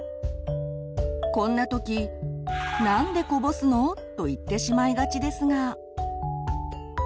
こんなとき「なんでこぼすの？」と言ってしまいがちですが。